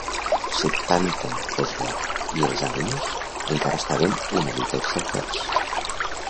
Setanta postguerra i els ànims encara estaven una mica exaltats.